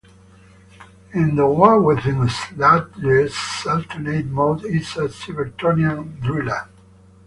In The War Within, Sludge's alternate mode is a Cybertronian driller.